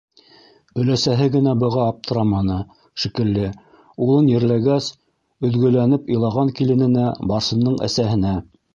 Өләсәһе генә быға аптыраманы, шикелле, улын ерләгәс, өҙгөләнеп илаған килененә, Барсындың әсәһенә: